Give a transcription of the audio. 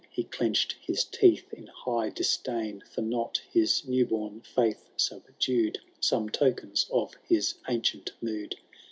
He clenched his teeth in high disdain. For not his new bom faith subdued Some tokens of his ancient mood.